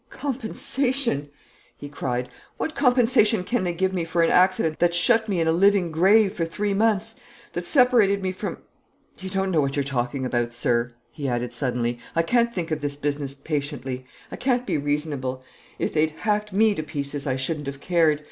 "Compensation!" he cried. "What compensation can they give me for an accident that shut me in a living grave for three months, that separated me from ? You don't know what you're talking about, sir," he added suddenly; "I can't think of this business patiently; I can't be reasonable. If they'd hacked me to pieces, I shouldn't have cared.